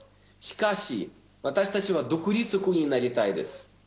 しかし、私たちは独立国になりたいです。